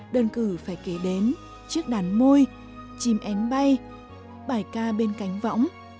đơn cử phải kể đến chiếc đàn môi chim én bay bài ca bên cánh võng